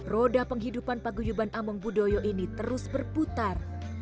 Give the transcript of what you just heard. roda penghidupan pak guyuban amung budoyo ini terus berputar